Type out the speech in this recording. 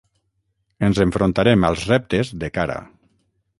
Ens enfrontarem als reptes de cara.